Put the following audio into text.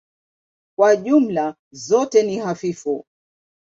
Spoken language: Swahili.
Kwa jumla zote ni hafifu.